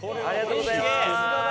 ありがとうございます！